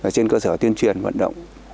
trên cơ sở tiên truyền vận động